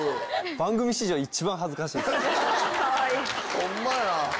ホンマや。